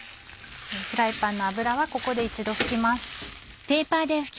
フライパンの油はここで一度拭きます。